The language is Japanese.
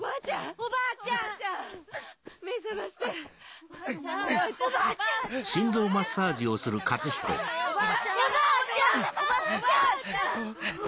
おばあちゃん